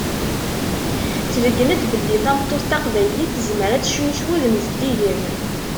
Tbeggen-d belli tameṭṭut taqbaylit tezmer ad tecnu s wudem zeddigen.